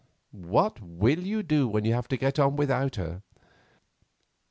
What will you do when you have to get on without her?